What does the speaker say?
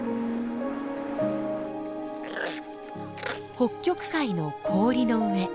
北極海の氷の上。